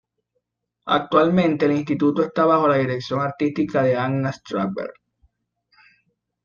Actualmente el instituto está bajo la dirección artística de Anna Strasberg.